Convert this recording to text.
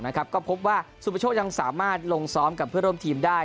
นะครับก็พบว่าสุปชกยังสามารถลงซ้อมกับเพื่อนร่วมทีมได้